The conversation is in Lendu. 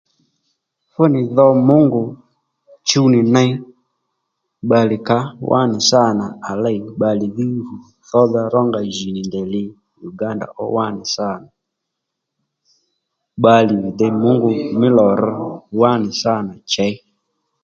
Fú nì dho Mungu chuw nì ney bbalè kà ó wá nì sâ nà à lêy bbalè dhí rù thódha rónga jì nì ndèy li Uganda ó wá nì sâ nà bbalè vi dey Mungu mí lò rr wánì sâ nà chěy